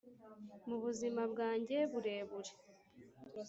mubuzima bwanjye burebure.